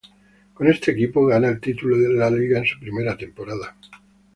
Con este equipo gana el título de Liga en su primera temporada.